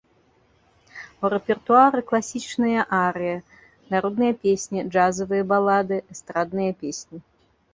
У рэпертуары класічныя арыі, народныя песні, джазавыя балады, эстрадныя песні.